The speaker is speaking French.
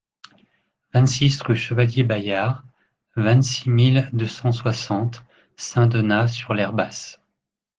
vingt-six rue Chevalier Bayard, vingt-six mille deux cent soixante Saint-Donat-sur-l'Herbasse